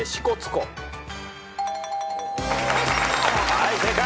はい正解。